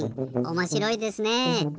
おもしろいですねえ。